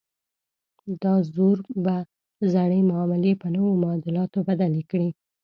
دا زور به زړې معاملې په نویو معادلاتو بدلې کړي.